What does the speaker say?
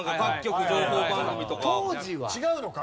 当時は違うのか。